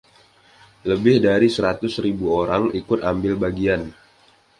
Lebih dari seratus ribu orang ikut ambil bagian.